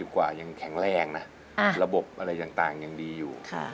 กว่ายังแข็งแรงนะระบบอะไรต่างยังดีอยู่